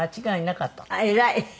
偉い！